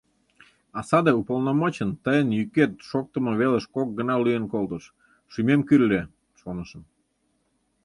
А саде уполномочын тыйын йӱкет шоктымо велыш кок гана лӱен колтыш — шӱмем кӱрльӧ, шонышым.